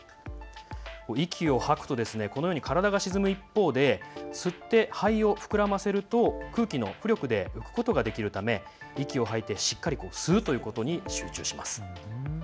息を吐くと体が沈む一方、吸って肺を膨らませると空気の浮力で浮くことができるため息を吐いてしっかり吸うということに集中します。